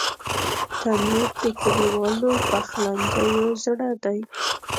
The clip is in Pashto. تنور د کلیوالو پخلنځیو زړه دی